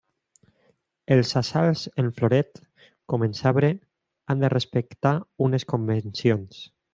Els assalts en floret, com en sabre, han de respectar unes convencions.